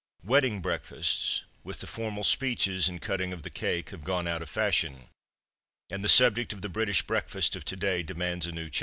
Wedding breakfasts, with the formal speeches, and cutting of the cake, have gone out of fashion, and the subject of the British breakfast of to day demands a new chapter.